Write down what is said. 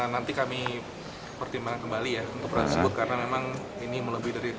nanti kami pertimbangkan kembali ya untuk bersebut karena memang ini melebihi dari